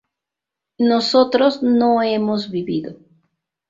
nosotros no hemos vivido